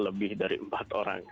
lebih dari empat orang